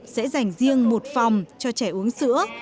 sẽ dành riêng một phòng cho trẻ uống sữa